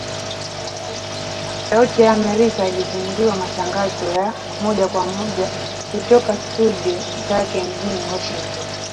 Sauti ya Amerika ilizindua matangazo ya moja kwa moja kutoka studio zake mjini Washington